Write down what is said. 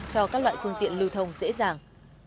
cho các loại phương tiện lưu thông dễ dàng